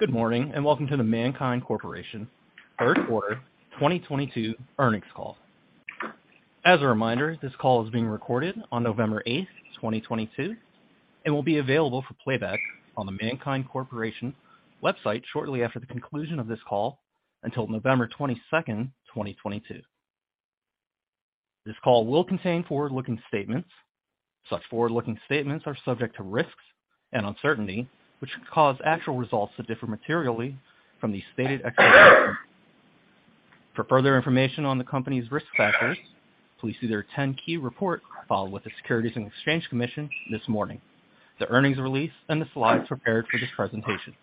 Good morning, and welcome to the MannKind Corporation third quarter 2022 earnings call. As a reminder, this call is being recorded on November 8th, 2022, and will be available for playback on the MannKind Corporation website shortly after the conclusion of this call until November 22nd, 2022. This call will contain forward-looking statements. Such forward-looking statements are subject to risks and uncertainty, which could cause actual results to differ materially from these stated expectations. For further information on the company's risk factors, please see their 10-Q report filed with the Securities and Exchange Commission this morning, the earnings release, and the slides prepared for this presentation.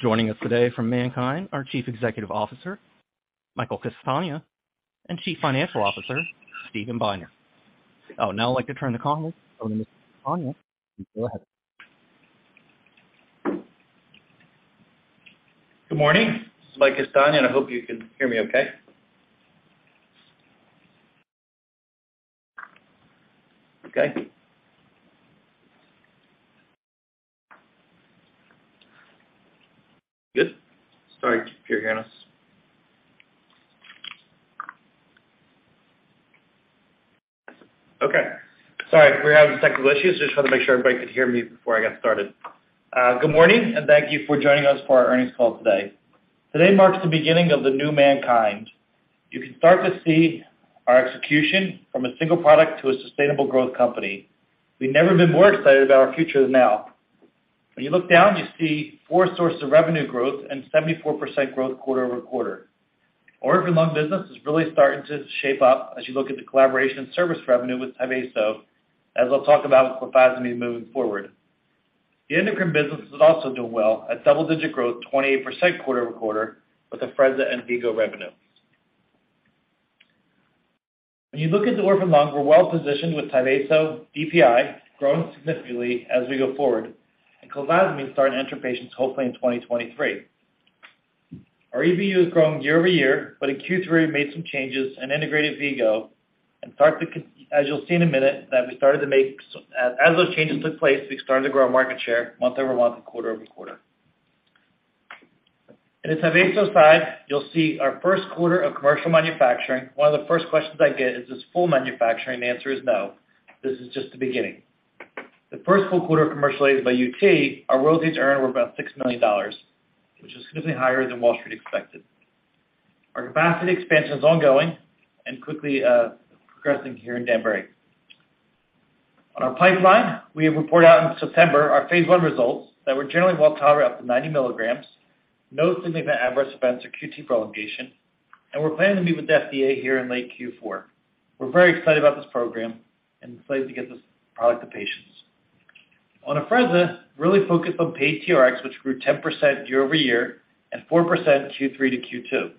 Joining us today from MannKind are Chief Executive Officer, Michael Castagna, and Chief Financial Officer, Steven Binder. I would now like to turn the call over to Mr. Castagna. Go ahead. Good morning. This is Mike Castagna, and I hope you can hear me okay. Okay. Good? Sorry, can you hear us? Okay. Sorry, we were having technical issues. Just wanted to make sure everybody could hear me before I got started. Good morning, and thank you for joining us for our earnings call today. Today marks the beginning of the new MannKind. You can start to see our execution from a single product to a sustainable growth company. We've never been more excited about our future than now. When you look down, you see four sources of revenue growth and 74% growth quarter-over-quarter. Orphan lung business is really starting to shape up as you look at the collaboration and service revenue with Tyvaso, as I'll talk about with clofazimine moving forward. The endocrine business is also doing well at double-digit growth, 28% quarter-over-quarter with Afrezza and V-Go revenue. When you look at the orphan lung, we're well-positioned with Tyvaso DPI growing significantly as we go forward, and clofazimine starting to enter patients hopefully in 2023. Our EBU is growing year-over-year, but in Q3, we made some changes and integrated V-Go. As you'll see in a minute, as those changes took place, we started to grow our market share month-over-month and quarter-over-quarter. On the Tyvaso side, you'll see our first quarter of commercial manufacturing. One of the first questions I get is this full manufacturing? The answer is no. This is just the beginning. The first full quarter commercialized by U.K., our royalties earned were about $6 million, which is significantly higher than Wall Street expected. Our capacity expansion is ongoing and quickly progressing here in Danbury. On our pipeline, we have reported out in September our phase I results that were generally well-tolerated up to 90 mg. No significant adverse events or QT prolongation, and we're planning to meet with the FDA here in late Q4. We're very excited about this program and excited to get this product to patients. On Afrezza, really focused on paid TRxs, which grew 10% year-over-year and 4% Q3 to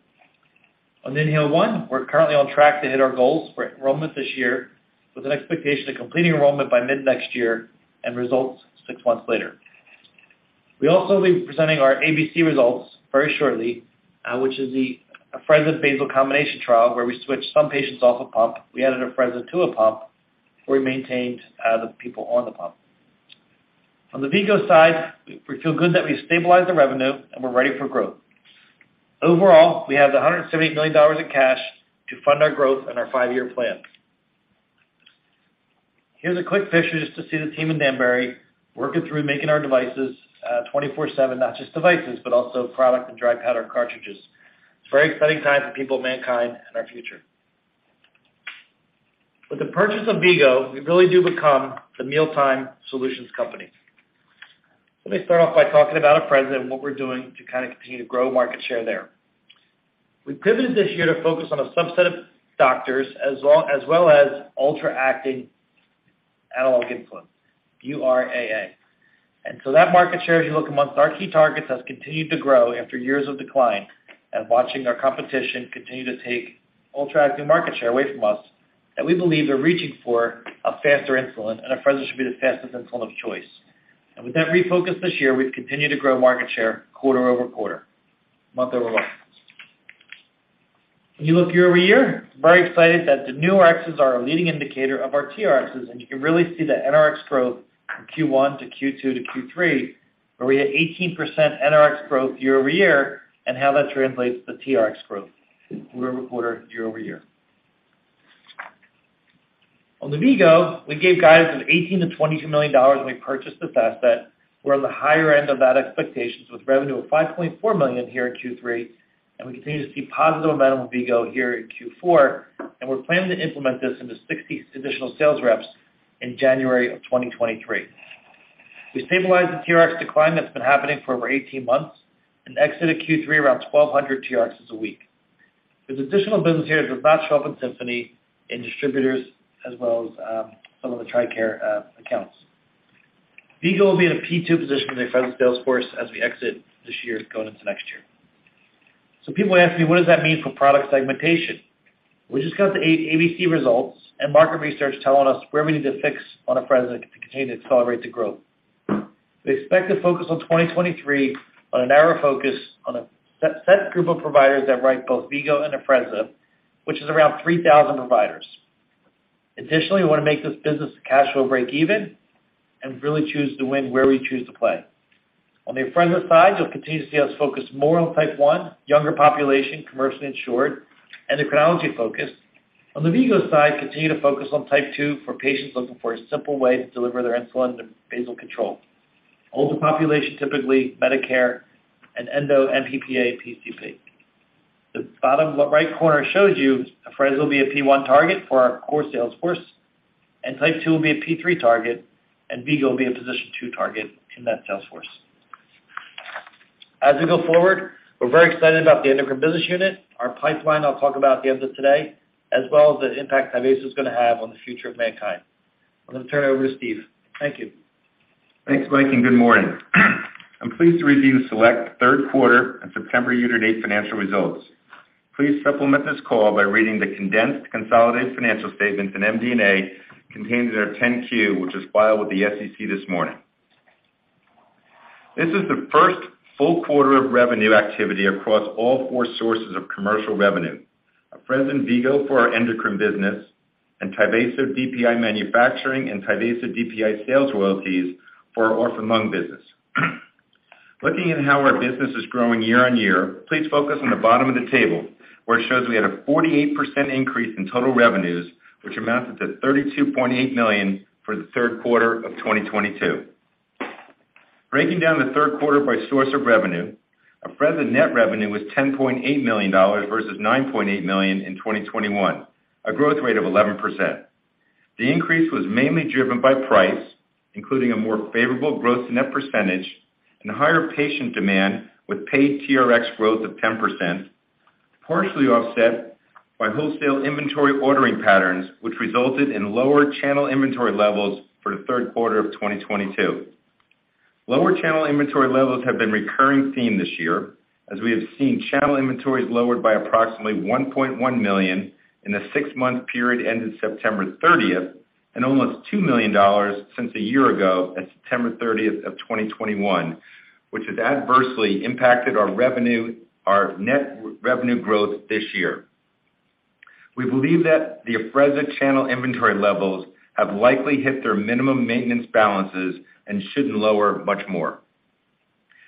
Overall, we have $178 million in cash to fund our growth and our five-year plan. Here's a quick picture just to see the team in Danbury working through making our devices 24/7. Not just devices, but also product and dry powder cartridges. It's a very exciting time for people at MannKind and our future. With the purchase of V-Go, we really do become the mealtime solutions company. Let me start off by talking about Afrezza and what we're doing to continue to grow market share there. We pivoted this year to focus on a subset of doctors as well as ultra-acting analog insulin, URAA. That market share, as you look amongst our key targets, has continued to grow after years of decline and watching our competition continue to take ultra-acting market share away from us. We believe they're reaching for a faster insulin, and Afrezza should be the fastest insulin of choice. With that refocus this year, we've continued to grow market share quarter-over-quarter, month-over-month. When you look year-over-year, very excited that the new Rx's are a leading indicator of our TRx's, and you can really see the NRx growth from Q1 to Q2 to Q3, where we hit 18% NRx growth year-over-year, and how that translates to TRx growth quarter-over-quarter, year-over-year. On the V-Go, we gave guidance of $18 million to $22 million when we purchased this asset. We're on the higher end of that expectation with revenue of $5.4 million here in Q3, and we continue to see positive momentum with V-Go here in Q4, and we're planning to implement this into 60 additional sales reps in January of 2023. We stabilized the TRx decline that's been happening for over 18 months and exited Q3 around 1,200 TRx's a week. There's additional business here that does not show up in Symphony, in distributors, as well as some of the TRICARE accounts. V-Go will be in a P2 position in the Afrezza sales force as we exit this year going into next year. People ask me, what does that mean for product segmentation? We just got the ABC results and market research telling us where we need to fix on Afrezza to continue to accelerate the growth. We expect to focus on 2023 on a narrow focus on a set group of providers that write both V-Go and Afrezza, which is around 3,000 providers. Additionally, we want to make this business cash flow break even and really choose to win where we choose to play. On the Afrezza side, you'll continue to see us focus more on type 1, younger population, commercially insured, endocrinology focused. On the V-Go side, continue to focus on type 2 for patients looking for a simple way to deliver their insulin and basal control. Older population, typically Medicare and endo NP/PA PCP. The bottom right corner shows you Afrezza will be a P1 target for our core sales force. Type 2 will be a P3 target. V-Go will be a position 2 target in that sales force. As we go forward, we're very excited about the Endocrine Business Unit. Our pipeline, I'll talk about at the end of today, as well as the impact Tyvaso is going to have on the future of MannKind. I'm going to turn it over to Steve. Thank you. Thanks, Mike. Good morning. I'm pleased to review select third quarter and September year-to-date financial results. Please supplement this call by reading the condensed consolidated financial statements in MD&A contained in our 10-Q, which was filed with the SEC this morning. This is the first full quarter of revenue activity across all four sources of commercial revenue. Afrezza and V-Go for our Endocrine Business and Tyvaso DPI manufacturing and Tyvaso DPI sales royalties for our orphan lung business. Looking at how our business is growing year-on-year, please focus on the bottom of the table, where it shows we had a 48% increase in total revenues, which amounted to $32.8 million for the third quarter of 2022. Breaking down the third quarter by source of revenue, Afrezza net revenue was $10.8 million versus $9.8 million in 2021, a growth rate of 11%. The increase was mainly driven by price, including a more favorable growth to net percentage and higher patient demand with paid TRx growth of 10%, partially offset by wholesale inventory ordering patterns, which resulted in lower channel inventory levels for the third quarter of 2022. Lower channel inventory levels have been a recurring theme this year, as we have seen channel inventories lowered by approximately $1.1 million in the six-month period ended September 30th, and almost $2 million since a year ago at September 30th, 2021, which has adversely impacted our net revenue growth this year. We believe that the Afrezza channel inventory levels have likely hit their minimum maintenance balances and shouldn't lower much more.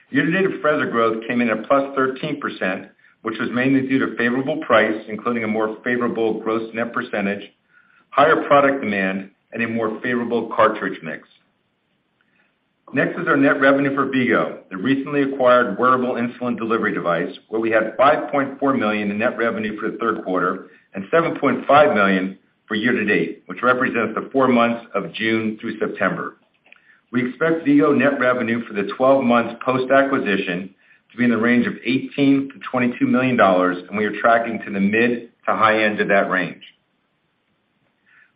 Year-to-date Afrezza growth came in at plus 13%, which was mainly due to favorable price, including a more favorable gross net percentage, higher product demand, and a more favorable cartridge mix. Next is our net revenue for V-Go, the recently acquired wearable insulin delivery device, where we had $5.4 million in net revenue for the third quarter and $7.5 million for year to date, which represents the four months of June through September. We expect V-Go net revenue for the 12 months post-acquisition to be in the range of $18 million-$22 million, and we are tracking to the mid to high end of that range.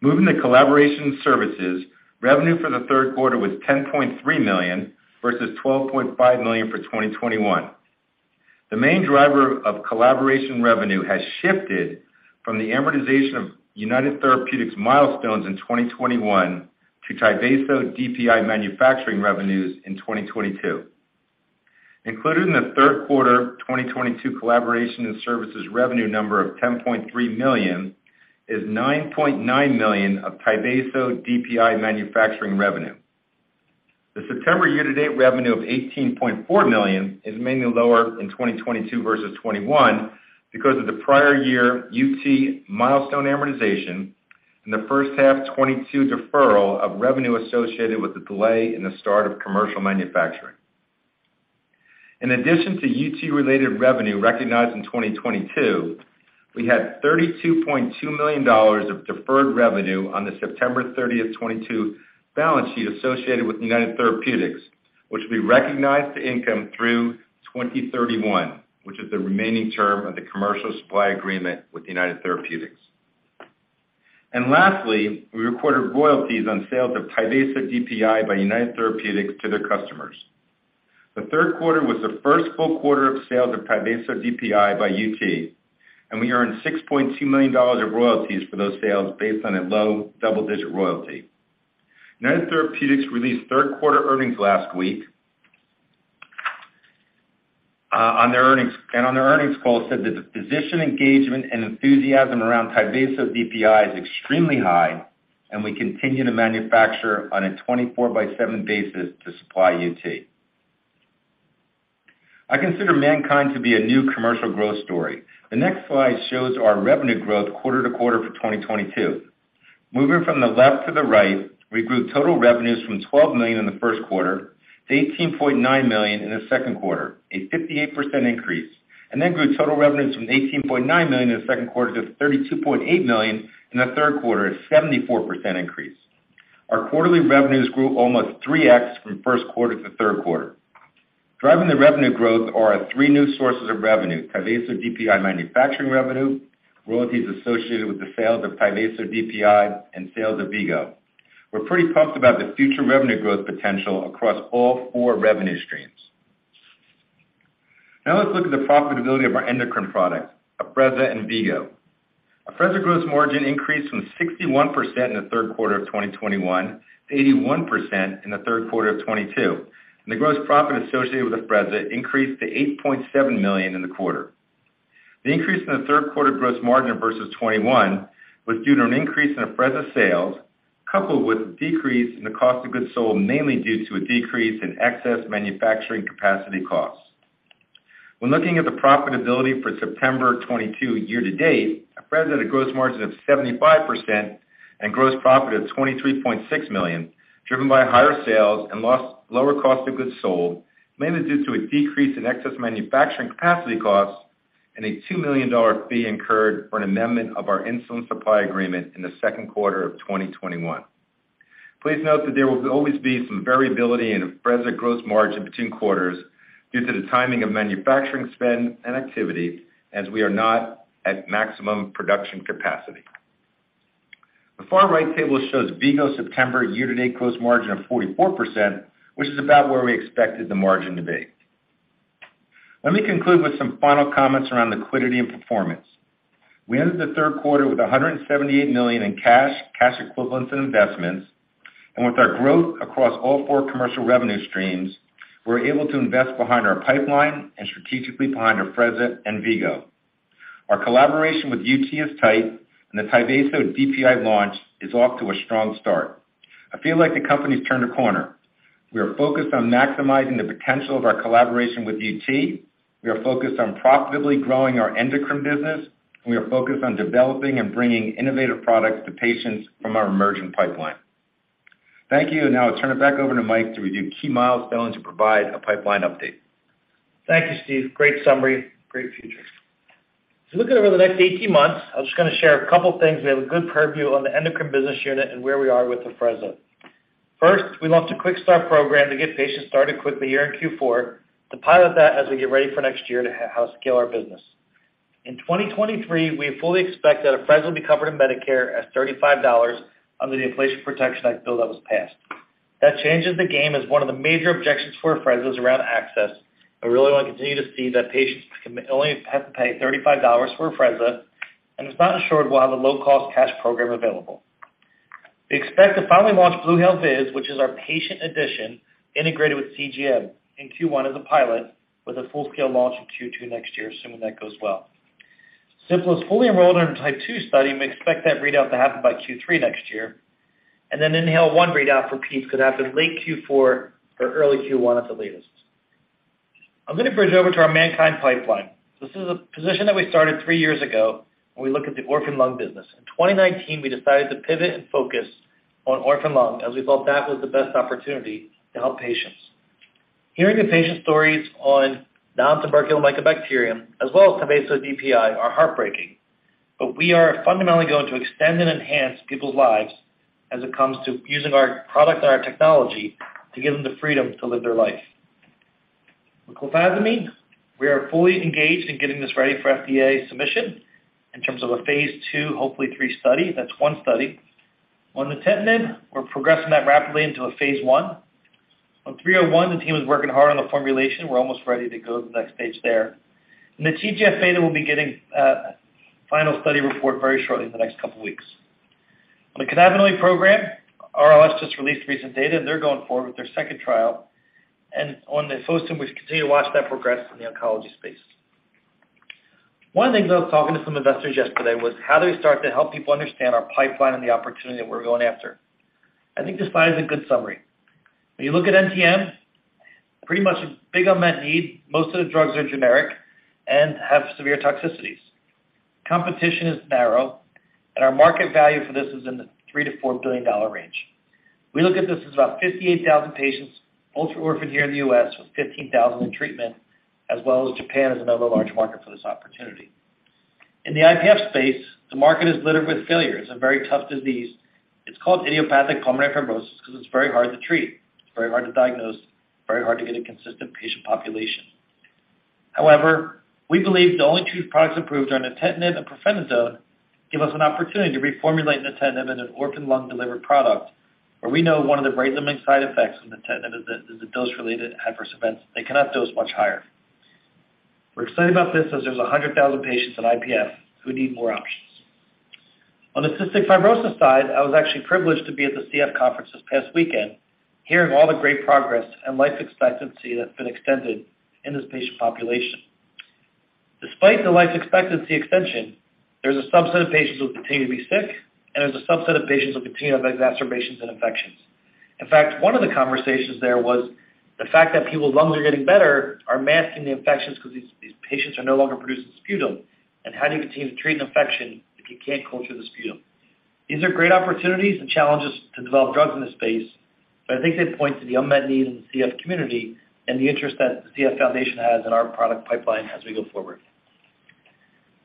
Moving to collaboration services, revenue for the third quarter was $10.3 million, versus $12.5 million for 2021. The main driver of collaboration revenue has shifted from the amortization of United Therapeutics milestones in 2021 to Tyvaso DPI manufacturing revenues in 2022. Included in the third quarter 2022 collaboration and services revenue number of $10.3 million is $9.9 million of Tyvaso DPI manufacturing revenue. The September year-to-date revenue of $18.4 million is mainly lower in 2022 versus 2021 because of the prior year UT milestone amortization in the first half 2022 deferral of revenue associated with the delay in the start of commercial manufacturing. In addition to UT-related revenue recognized in 2022, we had $32.2 million of deferred revenue on the September 30, 2022 balance sheet associated with United Therapeutics, which we recognized the income through 2031, which is the remaining term of the commercial supply agreement with United Therapeutics. Lastly, we recorded royalties on sales of TYVASO DPI by United Therapeutics to their customers. The third quarter was the first full quarter of sales of TYVASO DPI by UT, and we earned $6.2 million of royalties for those sales based on a low double-digit royalty. United Therapeutics released third-quarter earnings last week. They said on their earnings call that the physician engagement and enthusiasm around TYVASO DPI is extremely high, and we continue to manufacture on a 24/7 basis to supply UT. I consider MannKind to be a new commercial growth story. The next slide shows our revenue growth quarter-to-quarter for 2022. Moving from the left to the right, we grew total revenues from $12 million in the first quarter to $18.9 million in the second quarter, a 58% increase. Then grew total revenues from $18.9 million in the second quarter to $32.8 million in the third quarter, a 74% increase. Our quarterly revenues grew almost 3x from first quarter to third quarter. Driving the revenue growth are our three new sources of revenue, TYVASO DPI manufacturing revenue, royalties associated with the sales of TYVASO DPI, and sales of V-Go. We're pretty pumped about the future revenue growth potential across all four revenue streams. Now let's look at the profitability of our endocrine products, Afrezza and V-Go. Afrezza gross margin increased from 61% in the third quarter of 2021 to 81% in the third quarter of 2022. The gross profit associated with Afrezza increased to $8.7 million in the quarter. The increase in the third quarter gross margin versus 2021 was due to an increase in Afrezza sales, coupled with a decrease in the cost of goods sold, mainly due to a decrease in excess manufacturing capacity costs. When looking at the profitability for September 2022 year-to-date, Afrezza had a gross margin of 75% and gross profit of $23.6 million, driven by higher sales and lower cost of goods sold, mainly due to a decrease in excess manufacturing capacity costs and a $2 million fee incurred for an amendment of our insulin supply agreement in the second quarter of 2021. Please note that there will always be some variability in Afrezza gross margin between quarters due to the timing of manufacturing spend and activity, as we are not at maximum production capacity. The far right table shows V-Go September year-to-date gross margin of 44%, which is about where we expected the margin to be. Let me conclude with some final comments around liquidity and performance. We ended the third quarter with $178 million in cash equivalents, and investments. With our growth across all four commercial revenue streams, we're able to invest behind our pipeline and strategically behind Afrezza and V-Go. Our collaboration with UT is tight, and the TYVASO DPI launch is off to a strong start. I feel like the company's turned a corner. We are focused on maximizing the potential of our collaboration with UT. We are focused on profitably growing our endocrine business, and we are focused on developing and bringing innovative products to patients from our emerging pipeline. Thank you, and now I'll turn it back over to Mike to review key milestones and provide a pipeline update. Thank you, Steve. Great summary, great future. Looking over the next 18 months, I'm just going to share a couple things. We have a good purview on the endocrine business unit and where we are with Afrezza. First, we launched a quick start program to get patients started quickly here in Q4 to pilot that as we get ready for next year to scale our business. In 2023, we fully expect that Afrezza will be covered in Medicare at $35 under the Inflation Reduction Act bill that was passed. That changes the game as one of the major objections for Afrezza is around access, and we really want to continue to see that patients only have to pay $35 for Afrezza, and if not insured, we'll have a low-cost cash program available. We expect to finally launch BluHale VIS, which is our patient edition integrated with CGM in Q1 as a pilot with a full-scale launch in Q2 next year, assuming that goes well. Sympla is fully enrolled in our type 2 study, and we expect that readout to happen by Q3 next year. INHALE-1 readout could happen late Q4 or early Q1 at the latest. I'm going to bridge over to our MannKind pipeline. This is a position that we started three years ago when we looked at the orphan lung business. In 2019, we decided to pivot and focus on orphan lung, as we felt that was the best opportunity to help patients. Hearing the patient stories on nontuberculous mycobacterium, as well as TYVASO DPI, are heartbreaking. We are fundamentally going to extend and enhance people's lives as it comes to using our product and our technology to give them the freedom to live their life. With clofazimine, we are fully engaged in getting this ready for FDA submission in terms of a phase II, hopefully III study. That's one study. On nintedanib, we're progressing that rapidly into a phase I. On 301, the team is working hard on the formulation. We're almost ready to go to the next stage there. The TGF-β will be getting a final study report very shortly in the next couple weeks. On the cannabinoid program, RLS just released recent data, and they're going forward with their second trial. On the Fosun, we continue to watch that progress in the oncology space. One of the things I was talking to some investors yesterday was how do we start to help people understand our pipeline and the opportunity that we're going after. I think this slide is a good summary. You look at NTM, pretty much a big unmet need. Most of the drugs are generic and have severe toxicities. Our market value for this is in the $3 billion-$4 billion range. We look at this as about 58,000 patients, ultra orphan here in the U.S., with 15,000 in treatment, as well as Japan as another large market for this opportunity. In the IPF space, the market is littered with failures. A very tough disease. It's called idiopathic pulmonary fibrosis because it's very hard to treat. It's very hard to diagnose, very hard to get a consistent patient population. We believe the only two products approved are nintedanib and pirfenidone give us an opportunity to reformulate nintedanib in an orphan lung delivered product, where we know one of the very limiting side effects from nintedanib is the dose-related adverse events. They cannot dose much higher. We're excited about this as there's 100,000 patients in IPF who need more options. On the cystic fibrosis side, I was actually privileged to be at the CF conference this past weekend, hearing all the great progress and life expectancy that's been extended in this patient population. Despite the life expectancy extension, there's a subset of patients who will continue to be sick, there's a subset of patients who will continue to have exacerbations and infections. One of the conversations there was the fact that people's lungs are getting better are masking the infections because these patients are no longer producing sputum and how do you continue to treat an infection if you can't culture the sputum? These are great opportunities and challenges to develop drugs in this space. I think they point to the unmet need in the CF community and the interest that the Cystic Fibrosis Foundation has in our product pipeline as we go forward.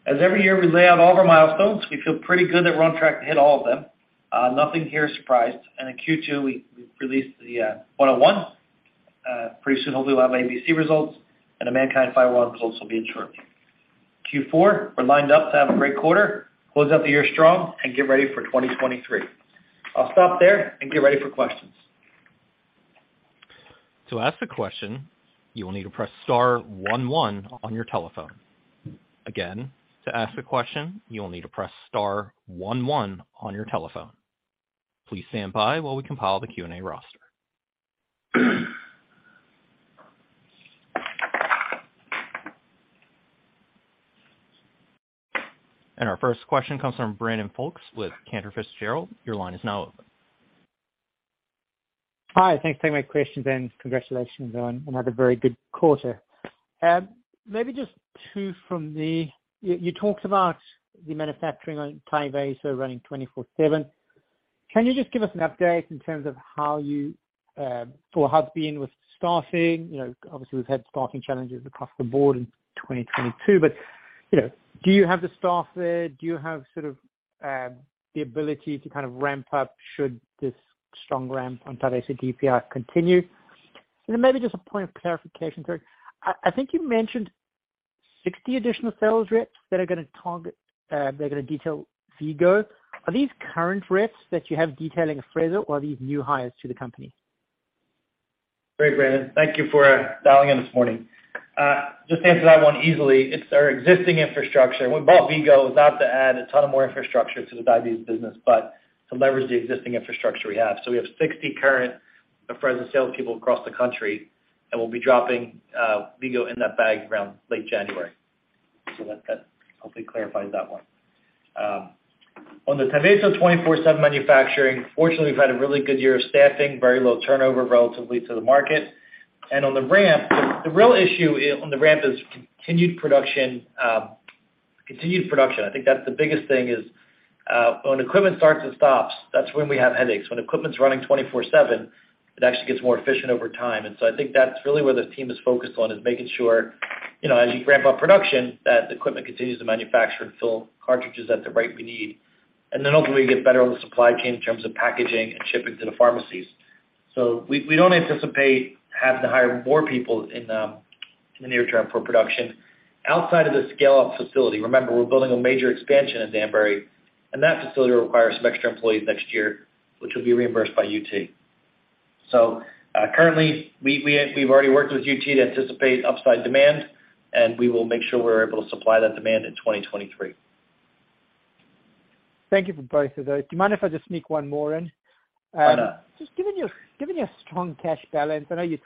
Every year, we lay out all of our milestones. We feel pretty good that we're on track to hit all of them. Nothing here is surprised. In Q2, we've released the 101. Pretty soon, hopefully we'll have ABC results. The MannKind 501 close will be ensured. Q4, we're lined up to have a great quarter, close out the year strong, get ready for 2023. I'll stop there and get ready for questions. To ask a question, you will need to press star 11 on your telephone. Again, to ask a question, you will need to press star 11 on your telephone. Please stand by while we compile the Q&A roster. Our first question comes from Brandon Folkes with Cantor Fitzgerald. Your line is now open. Hi. Thanks for taking my questions, and congratulations on another very good quarter. Maybe just two from me. You talked about the manufacturing on Tyvaso running 24/7. Can you just give us an update in terms of how it's been with staffing? Obviously, we've had staffing challenges across the board in 2022, but do you have the staff there? Do you have the ability to ramp up should this strong ramp on Tyvaso DPI continue? Then maybe just a point of clarification, sir. I think you mentioned 60 additional sales reps that are going to detail V-Go. Are these current reps that you have detailing Afrezza, or are these new hires to the company? Great, Brandon. Thank you for dialing in this morning. Just to answer that one easily, it's our existing infrastructure. When we bought V-Go, it was not to add a ton of more infrastructure to the diabetes business, but to leverage the existing infrastructure we have. We have 60 current Afrezza salespeople across the country, and we'll be dropping V-Go in that bag around late January. That hopefully clarifies that one. On the Tyvaso 24/7 manufacturing, fortunately, we've had a really good year of staffing, very low turnover relatively to the market. On the ramp, the real issue on the ramp is continued production. I think that's the biggest thing is when equipment starts and stops, that's when we have headaches. When equipment's running 24/7, it actually gets more efficient over time. I think that's really where the team is focused on, is making sure as you ramp up production, that the equipment continues to manufacture and fill cartridges at the rate we need. Hopefully we get better on the supply chain in terms of packaging and shipping to the pharmacies. We don't anticipate having to hire more people in the near term for production outside of the scale-up facility. Remember, we're building a major expansion in Danbury, that facility requires some extra employees next year, which will be reimbursed by UT. Currently, we've already worked with UT to anticipate upside demand, we will make sure we're able to supply that demand in 2023. Thank you for both of those. Do you mind if I just sneak one more in? Why not? Just given your strong cash balance, I know you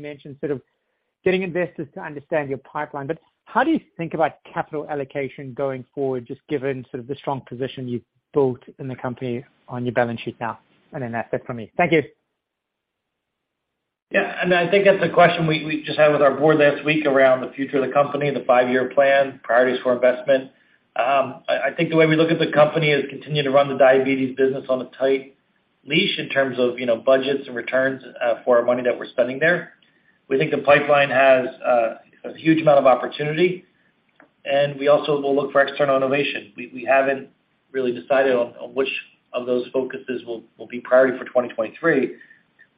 mentioned getting investors to understand your pipeline. How do you think about capital allocation going forward, just given the strong position you've built in the company on your balance sheet now? That's it for me. Thank you. Yeah. I think that's a question we just had with our board last week around the future of the company, the five-year plan, priorities for investment. I think the way we look at the company is continuing to run the diabetes business on a tight leash in terms of budgets and returns for our money that we're spending there. We think the pipeline has a huge amount of opportunity, and we also will look for external innovation. We haven't really decided on which of those focuses will be priority for 2023,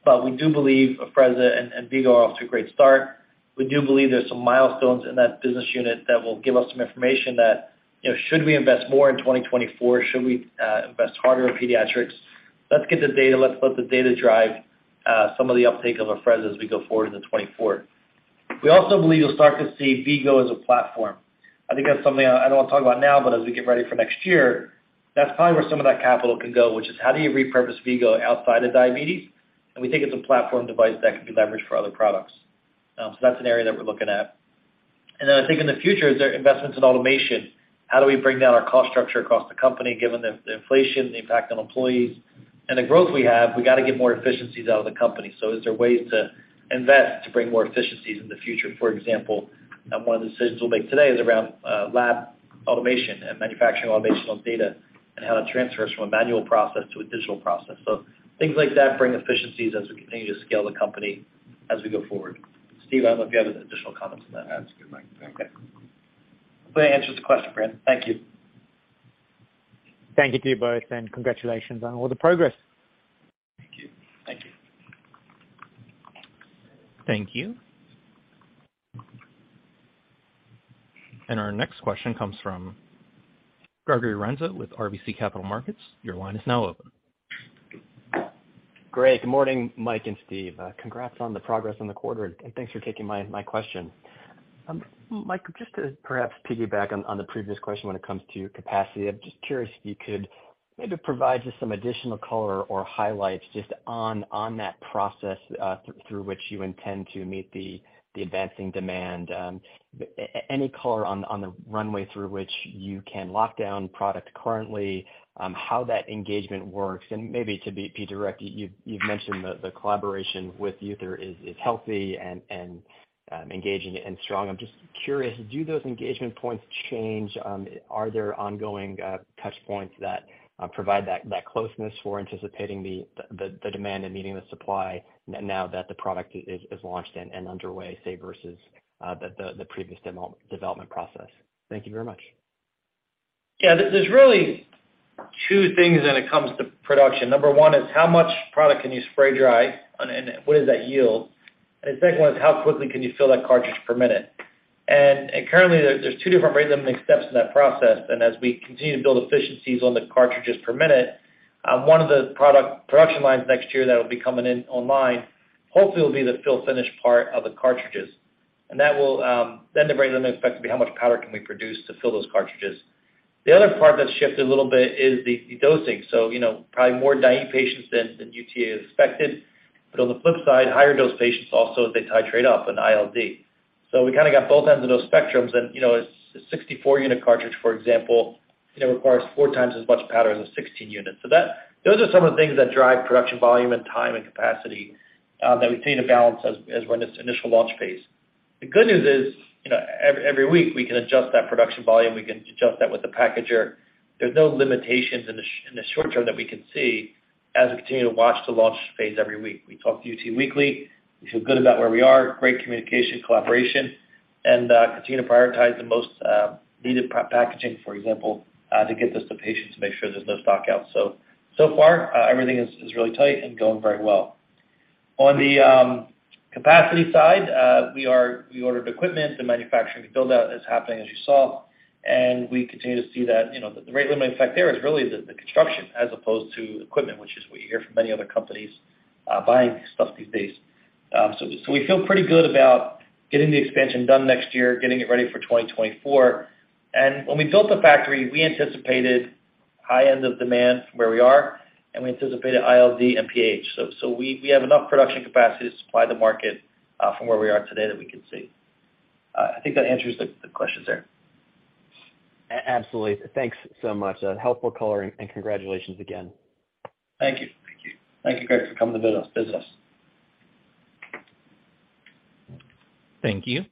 but we do believe Afrezza and V-Go are off to a great start. We do believe there's some milestones in that business unit that will give us some information that should we invest more in 2024? Should we invest harder in pediatrics? Let's get the data. Let's let the data drive some of the uptake of Afrezza as we go forward into 2024. We also believe you'll start to see V-Go as a platform. I think that's something I don't want to talk about now, but as we get ready for next year, that's probably where some of that capital can go, which is how do you repurpose V-Go outside of diabetes? We think it's a platform device that can be leveraged for other products. That's an area that we're looking at. Then I think in the future, is there investments in automation? How do we bring down our cost structure across the company, given the inflation, the impact on employees, and the growth we have? We got to get more efficiencies out of the company. Is there ways to invest to bring more efficiencies in the future? For example, one of the decisions we'll make today is around lab automation and manufacturing automation on data and how that transfers from a manual process to a digital process. Things like that bring efficiencies as we continue to scale the company as we go forward. Steve, I don't know if you have any additional comments on that. That's good, Mike. Thank you. Okay. Hopefully I answered your question, Brandon. Thank you. Thank you to you both, and congratulations on all the progress. Thank you. Thank you. Thank you. Our next question comes from Gregory Renza with RBC Capital Markets. Your line is now open. Greg, good morning, Mike and Steve. Congrats on the progress on the quarter, thanks for taking my question. Mike, just to perhaps piggyback on the previous question when it comes to capacity, I'm just curious if you could maybe provide just some additional color or highlights just on that process through which you intend to meet the advancing demand. Any color on the runway through which you can lock down product currently, how that engagement works, and maybe to be direct, you've mentioned the collaboration with UT is healthy and engaging and strong. I'm just curious, do those engagement points change? Are there ongoing touch points that provide that closeness for anticipating the demand and meeting the supply now that the product is launched and underway, say, versus the previous development process? Thank you very much. Yeah. There's really two things when it comes to production. Number one is how much product can you spray dry, and what does that yield? The second one is how quickly can you fill that cartridge per minute? Currently, there's two different rate-limiting steps in that process. As we continue to build efficiencies on the cartridges per minute, one of the production lines next year that'll be coming online hopefully will be the fill-finish part of the cartridges. Then the rate-limiting step could be how much powder can we produce to fill those cartridges. The other part that's shifted a little bit is the dosing. Probably more naive patients than UT expected. On the flip side, higher dose patients also as they titrate off on ILD. We got both ends of those spectrums and a 64-unit cartridge, for example, requires four times as much powder as a 16 unit. Those are some of the things that drive production volume and time and capacity that we continue to balance as we're in this initial launch phase. The good news is, every week we can adjust that production volume. We can adjust that with the packager. There's no limitations in the short-term that we can see as we continue to watch the launch phase every week. We talk to UT weekly. We feel good about where we are, great communication, collaboration, continue to prioritize the most needed packaging, for example, to get this to patients to make sure there's no stockouts. So far, everything is really tight and going very well. On the capacity side, we ordered equipment. The manufacturing build-out is happening as you saw, we continue to see that the rate limiting factor there is really the construction as opposed to equipment, which is what you hear from many other companies buying stuff these days. We feel pretty good about getting the expansion done next year, getting it ready for 2024. When we built the factory, we anticipated high end of demand from where we are and we anticipated ILD and PH. We have enough production capacity to supply the market from where we are today that we can see. I think that answers the questions there. Absolutely. Thanks so much. Helpful color and congratulations again. Thank you. Thank you, Greg, for coming to business. Thank you.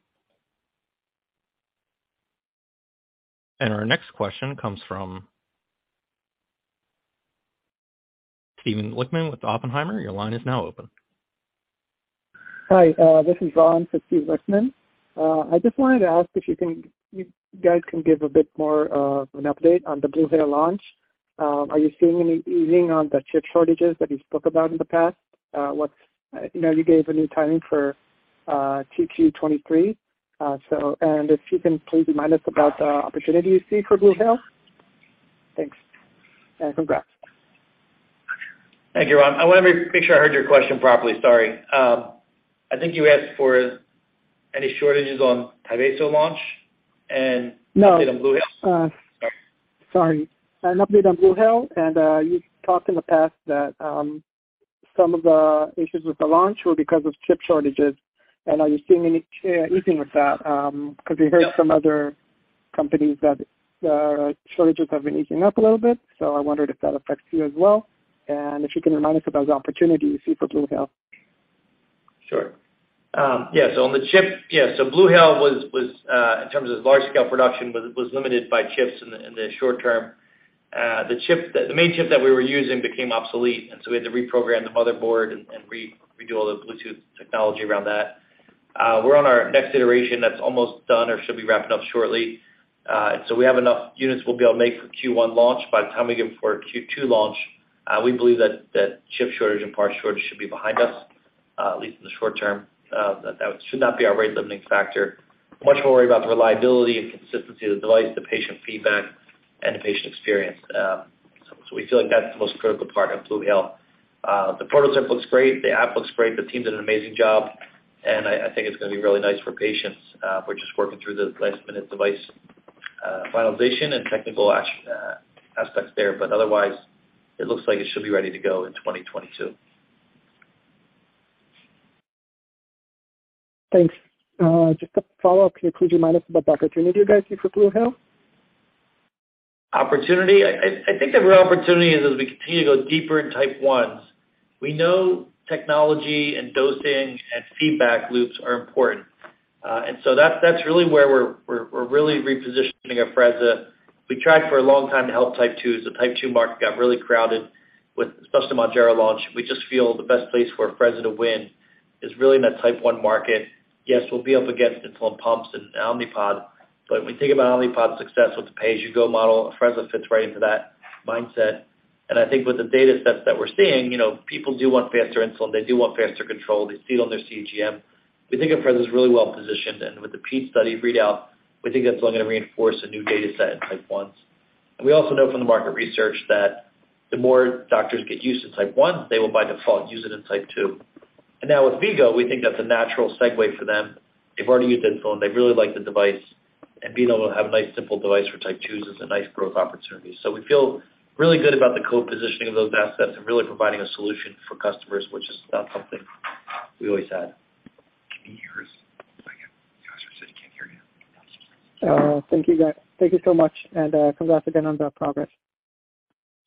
Our next question comes from Steven Lichtman with Oppenheimer. Your line is now open. Hi, this is Ron for Steve Richman. I just wanted to ask if you think you guys can give a bit more of an update on the BluHale launch. Are you seeing any easing on the chip shortages that you spoke about in the past? You gave a new timing for Q2 2023. If you can please remind us about the opportunity you see for BluHale. Thanks. Congrats. Thank you, Ron. I want to make sure I heard your question properly. Sorry. I think you asked for any shortages on Afrezza launch and- No an update on BluHale? Sorry. An update on BluHale, and you talked in the past that some of the issues with the launch were because of chip shortages. Are you seeing any easing with that? Because we heard from other companies that the shortages have been easing up a little bit. I wondered if that affects you as well, and if you can remind us about the opportunity you see for BluHale. Sure. Yeah. BluHale, in terms of large scale production, was limited by chips in the short term. The main chip that we were using became obsolete. We had to reprogram the motherboard and redo all the Bluetooth technology around that. We're on our next iteration that's almost done or should be wrapping up shortly. We have enough units we'll be able to make for Q1 launch. By the time we get before Q2 launch, we believe that chip shortage and parts shortage should be behind us, at least in the short term. That should not be our rate limiting factor. Much more worried about the reliability and consistency of the device, the patient feedback, and the patient experience. We feel like that's the most critical part of BluHale. The prototype looks great. The app looks great. The team did an amazing job. I think it's going to be really nice for patients. We're just working through the last-minute device finalization and technical aspects there, otherwise it looks like it should be ready to go in 2022. Thanks. Just a follow-up. Can you please remind us about the opportunity you guys see for BluHale? Opportunity? I think the real opportunity is as we continue to go deeper in type 1s. We know technology and dosing and feedback loops are important. That's really where we're really repositioning Afrezza. We tried for a long time to help type 2s. The type 2 market got really crowded, especially with the Mounjaro launch. We just feel the best place for Afrezza to win is really in that type 1 market. Yes, we'll be up against insulin pumps and Omnipod, but when we think about Omnipod's success with the pay-as-you-go model, Afrezza fits right into that mindset. I think with the data sets that we're seeing, people do want faster insulin. They do want faster control. They see it on their CGM. We think Afrezza's really well-positioned, and with the PEAK study readout, we think that's only going to reinforce a new data set in type 1s. We also know from the market research that the more doctors get used to type 1, they will by default use it in type 2. Now with V-Go, we think that's a natural segue for them. They've already used insulin. They really like the device, and being able to have a nice simple device for type 2s is a nice growth opportunity. We feel really good about the co-positioning of those assets and really providing a solution for customers, which is not something we always had. Can you hear us? I think Oscar said he can't hear you. Thank you, guys. Thank you so much. Congrats again on the progress.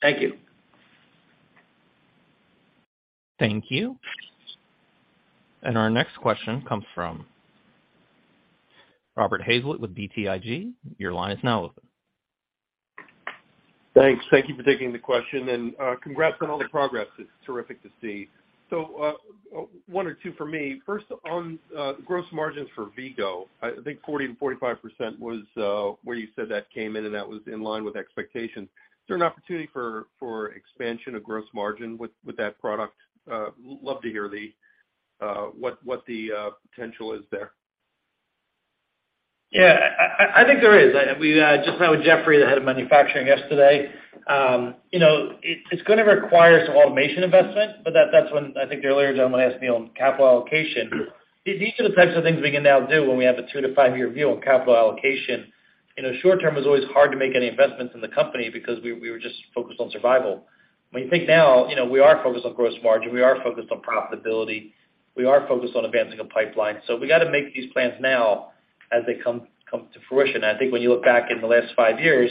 Thank you. Thank you. Our next question comes from Robert Hazlett with BTIG. Your line is now open. Thanks. Thank you for taking the question and congrats on all the progress. It's terrific to see. One or two for me. First on gross margins for V-Go. I think 40%-45% was where you said that came in and that was in line with expectations. Is there an opportunity for expansion of gross margin with that product? Love to hear what the potential is there. Yeah, I think there is. We just met with Jeffrey, the head of manufacturing, yesterday. It's going to require some automation investment, but that's when I think the earlier gentleman asked me on capital allocation. These are the types of things we can now do when we have a two to five-year view on capital allocation. In the short term, it's always hard to make any investments in the company because we were just focused on survival. When you think now, we are focused on gross margin, we are focused on profitability, we are focused on advancing a pipeline. We got to make these plans now as they come to fruition. I think when you look back in the last five years,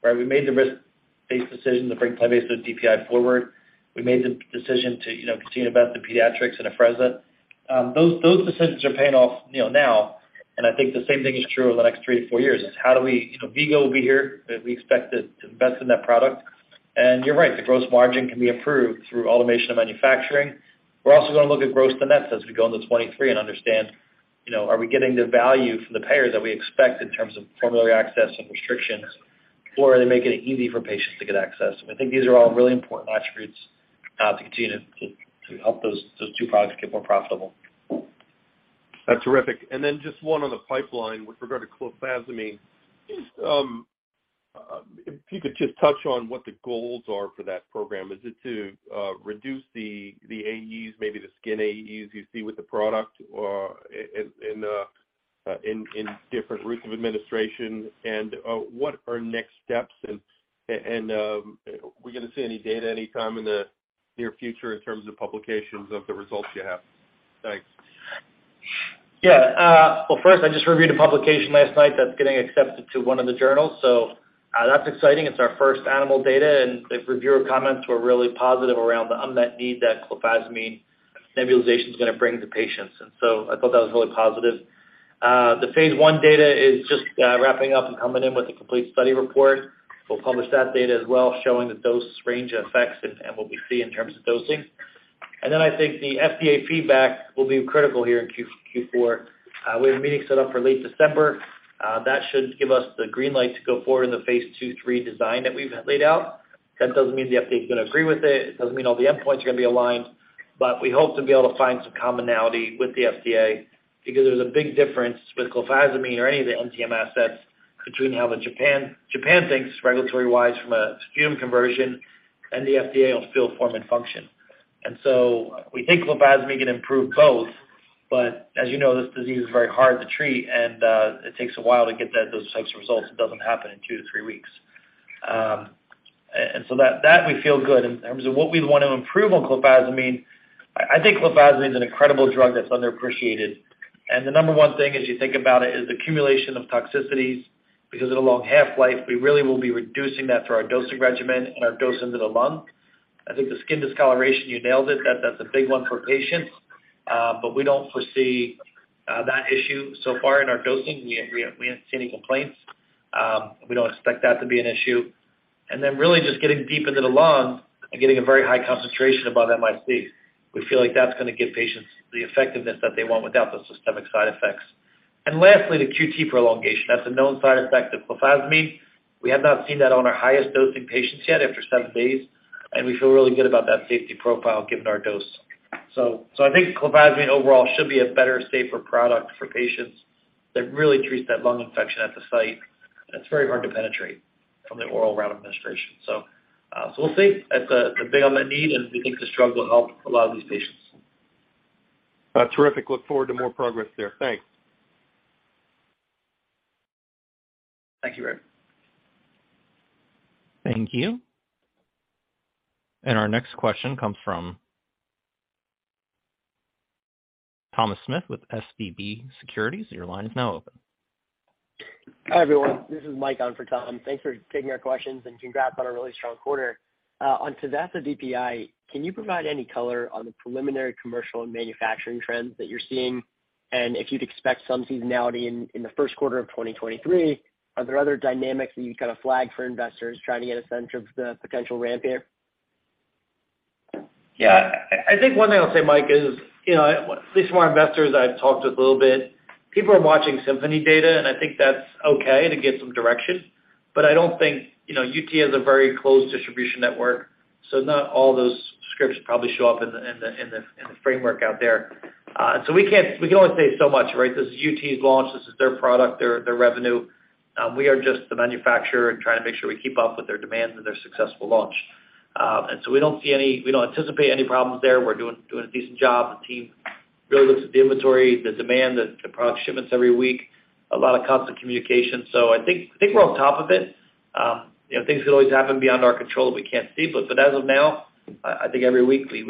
where we made the risk-based decision to bring TYVASO DPI forward, we made the decision to continue to invest in pediatrics and Afrezza. Those decisions are paying off now, I think the same thing is true over the next three to four years, is V-Go will be here. We expect to invest in that product. You're right, the gross margin can be improved through automation of manufacturing. We're also going to look at gross to nets as we go into 2023 and understand, are we getting the value from the payer that we expect in terms of formulary access and restrictions, or are they making it easy for patients to get access? I think these are all really important attributes to continue to help those two products get more profitable. That's terrific. Then just one on the pipeline with regard to clofazimine. If you could just touch on what the goals are for that program. Is it to reduce the AEs, maybe the skin AEs you see with the product in different routes of administration? What are next steps? Are we going to see any data anytime in the near future in terms of publications of the results you have? Thanks. Yeah. Well, first, I just reviewed a publication last night that's getting accepted to one of the journals, so that's exciting. It's our first animal data, and the reviewer comments were really positive around the unmet need that clofazimine nebulization is going to bring to patients. So I thought that was really positive. The phase I data is just wrapping up and coming in with a complete study report. We'll publish that data as well, showing the dose range and effects and what we see in terms of dosing. Then I think the FDA feedback will be critical here in Q4. We have a meeting set up for late December. That should give us the green light to go forward in the phase II-III design that we've laid out. That doesn't mean the FDA is going to agree with it. It doesn't mean all the endpoints are going to be aligned. We hope to be able to find some commonality with the FDA because there's a big difference with clofazimine or any of the NTM assets between how Japan thinks regulatory-wise from a sputum conversion and the FDA on spill, form, and function. We think clofazimine can improve both, but as you know, this disease is very hard to treat, and it takes a while to get those types of results. It doesn't happen in two to three weeks. That we feel good in terms of what we want to improve on clofazimine. I think clofazimine is an incredible drug that's underappreciated. The number 1 thing as you think about it is accumulation of toxicities because of the long half-life. We really will be reducing that through our dosing regimen and our dose into the lung. I think the skin discoloration, you nailed it. That's a big one for patients. We don't foresee that issue so far in our dosing. We haven't seen any complaints. We don't expect that to be an issue. Really just getting deep into the lung and getting a very high concentration above MIC. We feel like that's going to give patients the effectiveness that they want without the systemic side effects. Lastly, the QT prolongation. That's a known side effect of clofazimine. We have not seen that on our highest dosing patients yet after seven days, and we feel really good about that safety profile given our dose. I think clofazimine overall should be a better, safer product for patients that really treats that lung infection at the site. It's very hard to penetrate from the oral route of administration. We'll see. It's a big unmet need, we think this drug will help a lot of these patients. Terrific. Look forward to more progress there. Thanks. Thank you, Rick. Thank you. Our next question comes from Thomas Smith with SVB Securities. Your line is now open. Hi, everyone. This is Mike on for Tom. Thanks for taking our questions and congrats on a really strong quarter. On TYVASO DPI, can you provide any color on the preliminary commercial and manufacturing trends that you're seeing, and if you'd expect some seasonality in the first quarter of 2023? Are there other dynamics that you've got a flag for investors trying to get a sense of the potential ramp here? Yeah. I think one thing I'll say, Mike, is at least from our investors I've talked with a little bit, people are watching Symphony Health data, and I think that's okay to get some direction, but I don't think UT has a very closed distribution network, so not all those scripts probably show up in the framework out there. We can only say so much, right? This is UT's launch. This is their product, their revenue. We are just the manufacturer and trying to make sure we keep up with their demands and their successful launch. We don't anticipate any problems there. We're doing a decent job. The team really looks at the inventory, the demand, the product shipments every week. A lot of constant communication. I think we're on top of it. Things could always happen beyond our control that we can't see. As of now, I think every week we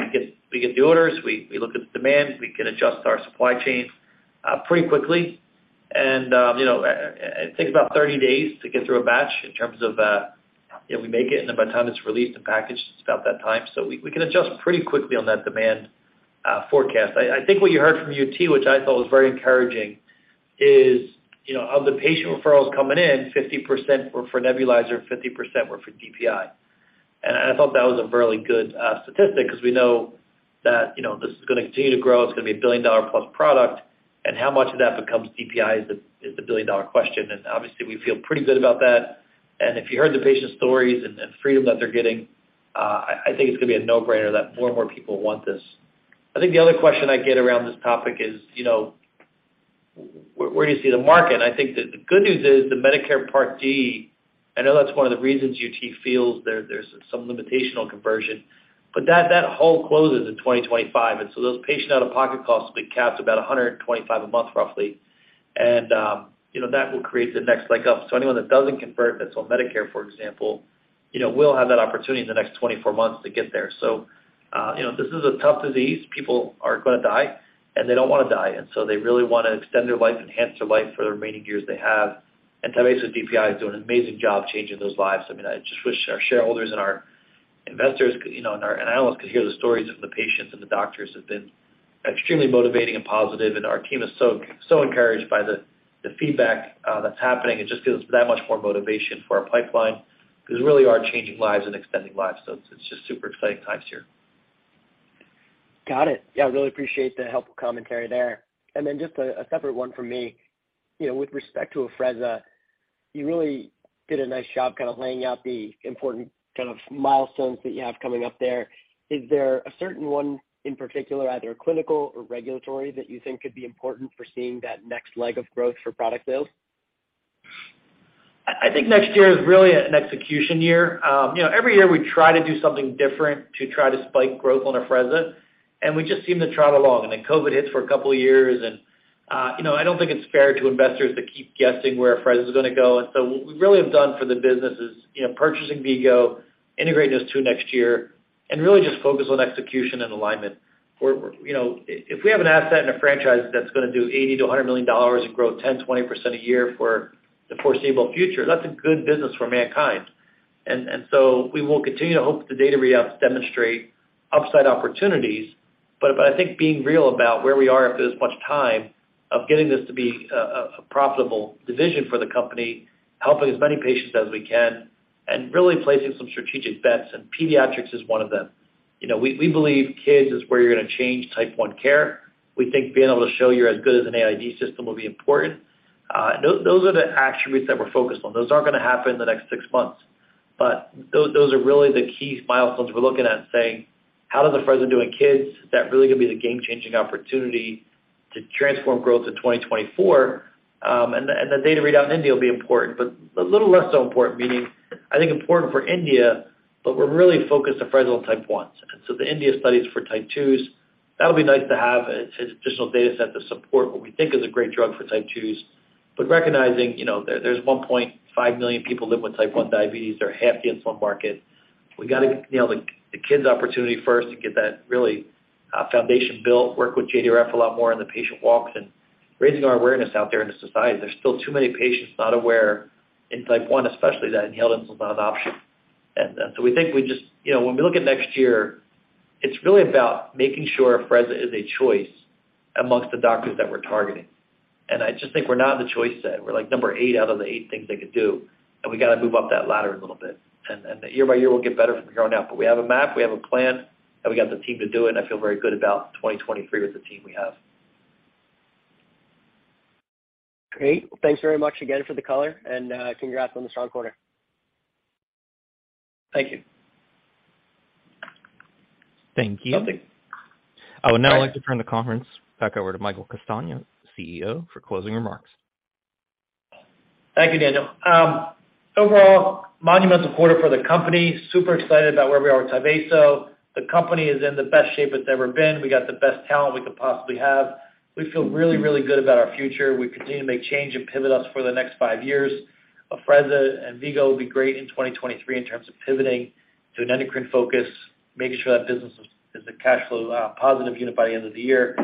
get orders. We look at the demand. We can adjust our supply chain pretty quickly. It takes about 30 days to get through a batch in terms of we make it, and then by the time it's released and packaged, it's about that time. We can adjust pretty quickly on that demand forecast. I think what you heard from UT, which I thought was very encouraging, is of the patient referrals coming in, 50% were for nebulizer, 50% were for DPI. I thought that was a fairly good statistic because we know that this is going to continue to grow. It's going to be a billion-dollar-plus product, and how much of that becomes DPI is the billion-dollar question. Obviously, we feel pretty good about that. If you heard the patient stories and freedom that they're getting, I think it's going to be a no-brainer that more and more people want this. I think the other question I get around this topic is Where do you see the market? I think that the good news is the Medicare Part D, I know that's one of the reasons UT feels there's some limitational conversion, but that hole closes in 2025. Those patient out-of-pocket costs will be capped about $125 a month, roughly. That will create the next leg up. Anyone that doesn't convert that's on Medicare, for example, will have that opportunity in the next 24 months to get there. This is a tough disease. People are going to die, and they don't want to die. They really want to extend their life, enhance their life for the remaining years they have. TYVASO DPI is doing an amazing job changing those lives. I just wish our shareholders and our investors, and our analysts could hear the stories of the patients and the doctors have been extremely motivating and positive, and our team is so encouraged by the feedback that's happening. It just gives that much more motivation for our pipeline because we really are changing lives and extending lives. It's just super exciting times here. Got it. Yeah, really appreciate the helpful commentary there. Just a separate one from me. With respect to Afrezza, you really did a nice job laying out the important milestones that you have coming up there. Is there a certain one in particular, either clinical or regulatory, that you think could be important for seeing that next leg of growth for product sales? I think next year is really an execution year. Every year we try to do something different to try to spike growth on Afrezza, and we just seem to trot along. COVID hits for a couple of years, and I don't think it's fair to investors to keep guessing where Afrezza is going to go. What we really have done for the business is purchasing V-Go, integrating those two next year, and really just focus on execution and alignment. If we have an asset and a franchise that's going to do $80 million-$100 million in growth, 10%, 20% a year for the foreseeable future, that's a good business for MannKind. We will continue to hope that the data readouts demonstrate upside opportunities, but I think being real about where we are, if there's much time of getting this to be a profitable division for the company, helping as many patients as we can, and really placing some strategic bets, and pediatrics is one of them. We believe kids is where you're going to change type 1 care. We think being able to show you're as good as an AID system will be important. Those are the attributes that we're focused on. Those aren't going to happen in the next six months. Those are really the key milestones we're looking at saying, how does Afrezza do in kids? Is that really going to be the game-changing opportunity to transform growth to 2024? The data readout in India will be important, a little less so important, meaning, I think important for India, we're really focused Afrezza on type 1s. The India studies for type 2s, that'll be nice to have as additional data set to support what we think is a great drug for type 2s. Recognizing, there's 1.5 million people live with type 1 diabetes. They're half the insulin market. We got to nail the kids opportunity first to get that really foundation built, work with JDRF a lot more in the patient walks, and raising our awareness out there in the society. There's still too many patients not aware in type 1 especially, that inhaled insulin is an option. We think when we look at next year, it's really about making sure Afrezza is a choice amongst the doctors that we're targeting. I just think we're not in the choice set. We're like number 8 out of the 8 things they could do, we got to move up that ladder a little bit. Year by year, we'll get better from here on out. We have a map, we have a plan, we got the team to do it, I feel very good about 2023 with the team we have. Great. Well, thanks very much again for the color, congrats on the strong quarter. Thank you. Thank you. Nothing. I would now like to turn the conference back over to Michael Castagna, CEO, for closing remarks. Thank you, Daniel. Overall, monumental quarter for the company. Super excited about where we are with Tyvaso. The company is in the best shape it's ever been. We got the best talent we could possibly have. We feel really, really good about our future. We continue to make change and pivot us for the next five years. Afrezza and V-Go will be great in 2023 in terms of pivoting to an endocrine focus, making sure that business is a cash flow positive unit by the end of the year.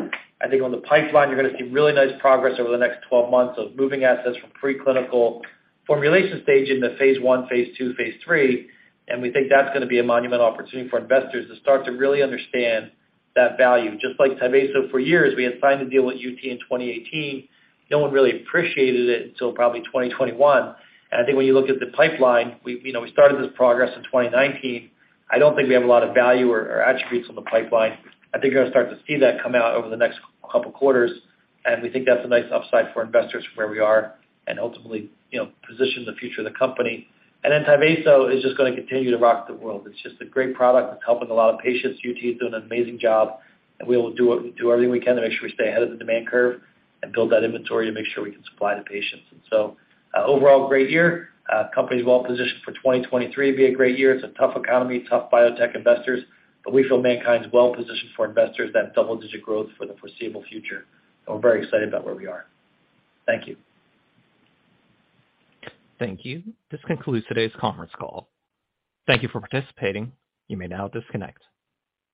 I think on the pipeline, you're going to see really nice progress over the next 12 months of moving assets from preclinical formulation stage into phase I, phase II, phase III, and we think that's going to be a monumental opportunity for investors to start to really understand that value. Just like Tyvaso, for years, we had signed a deal with UT in 2018. No one really appreciated it until probably 2021. I think when you look at the pipeline, we started this progress in 2019. I don't think we have a lot of value or attributes on the pipeline. I think you're going to start to see that come out over the next couple of quarters, and we think that's a nice upside for investors from where we are and ultimately position the future of the company. Then Tyvaso is just going to continue to rock the world. It's just a great product. It's helping a lot of patients. UT is doing an amazing job, and we will do everything we can to make sure we stay ahead of the demand curve and build that inventory to make sure we can supply the patients. Overall great year. Company's well-positioned for 2023 to be a great year. It's a tough economy, tough biotech investors, but we feel MannKind's well-positioned for investors, that double-digit growth for the foreseeable future. We're very excited about where we are. Thank you. Thank you. This concludes today's conference call. Thank you for participating. You may now disconnect.